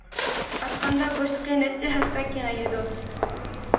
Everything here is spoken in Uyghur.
ئاچقاندا بوشلۇقى نەچچە ھەسسە كېڭىيىدۇ.